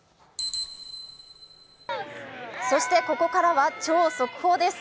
そしてここからは超速報です。